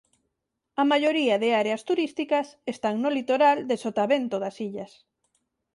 A maioría de áreas turísticas están no litoral de sotavento das illas.